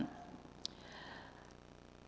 dari sisi pendapatan negara